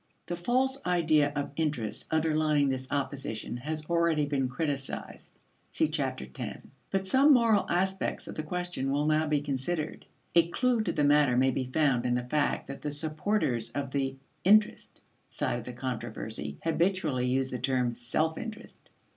The false idea of interest underlying this opposition has already been criticized (See Chapter X), but some moral aspects of the question will now be considered. A clew to the matter may be found in the fact that the supporters of the "interest" side of the controversy habitually use the term "self interest."